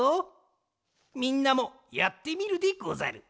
みんなもやってみるでござる！